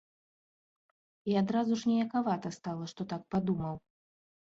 І адразу ж ніякавата стала, што так падумаў.